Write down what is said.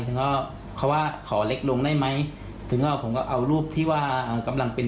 ถึงก็เขาว่าขอเล็กลงได้ไหมถึงว่าผมก็เอารูปที่ว่ากำลังเป็น